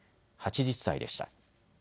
８０歳でした。